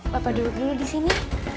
bapak duduk dulu di sini